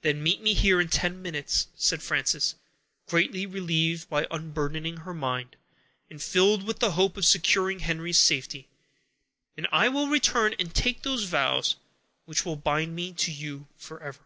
"Then meet me here, in ten minutes," said Frances, greatly relieved by unburdening her mind, and filled with the hope of securing Henry's safety, "and I will return and take those vows which will bind me to you forever."